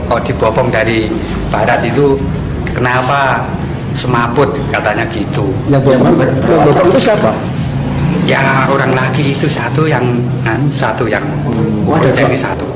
orang lagi itu satu yang satu yang satu